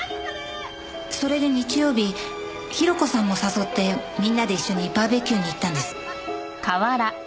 それで日曜日広子さんも誘ってみんなで一緒にバーベキューに行ったんです。